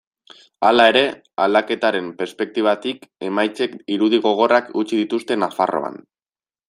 Hala ere, aldaketaren perspektibatik, emaitzek irudi gogorrak utzi dituzte Nafarroan.